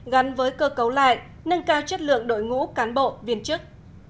gắn với cơ cấu lại nâng cao chất lượng đội ngũ cán bộ viên chức